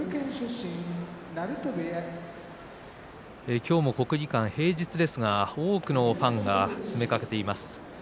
今日も国技館、平日ですが多くのファンが詰めかけています。